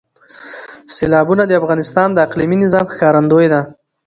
سیلابونه د افغانستان د اقلیمي نظام ښکارندوی ده.